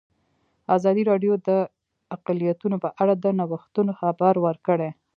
ازادي راډیو د اقلیتونه په اړه د نوښتونو خبر ورکړی.